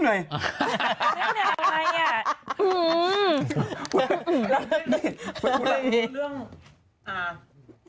นั่งอะไรอ่ะ